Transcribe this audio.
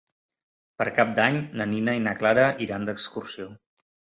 Per Cap d'Any na Nina i na Clara iran d'excursió.